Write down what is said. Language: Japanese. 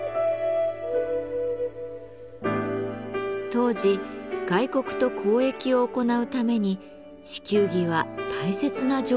当時外国と交易を行うために地球儀は大切な情報源でした。